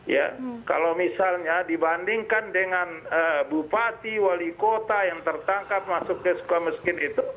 ya kalau misalnya dibandingkan dengan bupati wali kota yang tertangkap masuk ke suka miskin itu